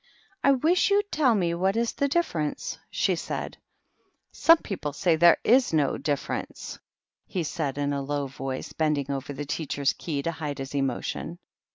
" I wish you'd tell me what is the difference," she said. "Some people say there is no difference," he THE MOCK TURTLE. 215 said, in a low voice, bending over the Teachers^ Key to hide his emotion.